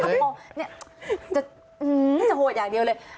เข้าภอกเลยจะโถดอย่างเดียวเลย